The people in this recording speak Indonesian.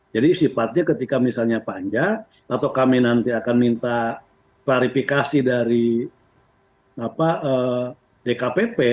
jadi sifatnya ketika misalnya panjang atau kami nanti akan minta klarifikasi dari dkpp